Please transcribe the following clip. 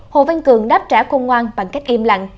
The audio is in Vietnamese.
hồ văn cường đáp trả công ngoan bằng cách im lặng